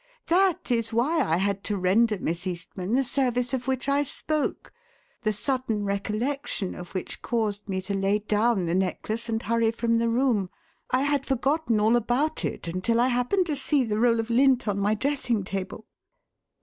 That is why I had to render Miss Eastman the service of which I spoke the sudden recollection of which caused me to lay down the necklace and hurry from the room. I had forgotten all about it until I happened to see the roll of lint on my dressing table."